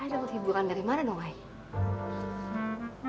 ayah udah berhiburan dari mana dong ayah